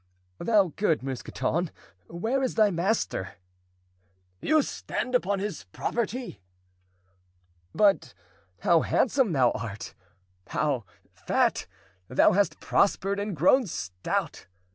"Thou good Mousqueton! where is thy master?" "You stand upon his property!" "But how handsome thou art—how fat! thou hast prospered and grown stout!"